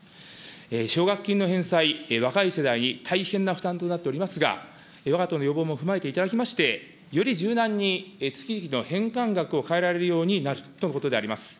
奨学金の返済、若い世代に大変な負担となっておりますが、わが党の要望も踏まえていただきまして、より柔軟に月々の返還額を変えられるようになるとのことであります。